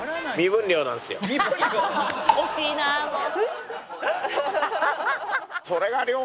惜しいなもう。